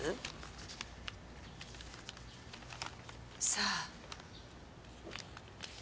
さあ。